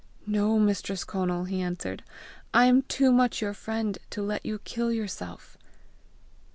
"No, Mistress Conal," he answered. "I am too much your friend to let you kill yourself!"